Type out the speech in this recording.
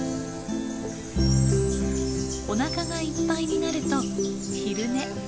おなかがいっぱいになると昼寝。